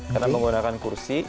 karena menggunakan kursi